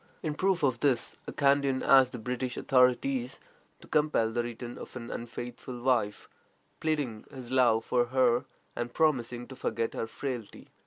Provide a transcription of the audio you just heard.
In proof of this, a Kandian asked the British authorities to compel the return of an unfaithful wife, pleading his love for her, and promising to forget her frailty.